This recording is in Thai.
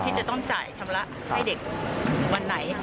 ที่จะต้องจ่ายชำระให้เด็กวันไหน